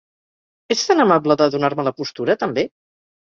Ets tan amable de donar-me la postura, també?